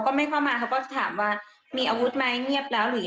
ก็ไม่เข้ามาเขาก็ถามว่ามีอาวุธไหมเงียบแล้วหรือยังเหมือน